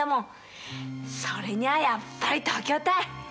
それにはやっぱり東京たい！